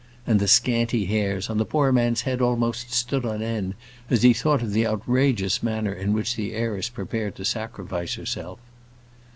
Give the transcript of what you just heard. And the scanty hairs on the poor man's head almost stood on end as he thought of the outrageous manner in which the heiress prepared to sacrifice herself.